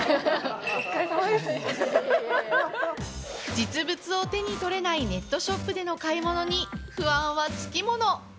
実物を手に取れないネットショップでの買い物に不安は付き物。